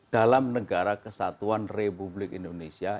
dalam negara kesatuan republik indonesia